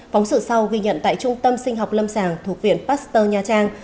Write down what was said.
phóng sự sau ghi nhận tại trung tâm sinh học lâm sàng thuộc viện pasteur nha trang